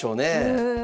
うん。